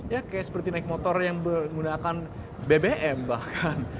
ya kayak seperti naik motor yang menggunakan bbm bahkan